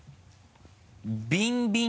「ビンビン」